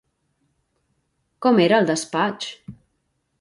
Com era el despatx?